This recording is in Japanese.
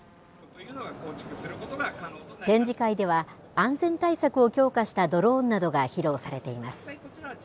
展示会では、安全対策を強化したドローンなどが披露されています。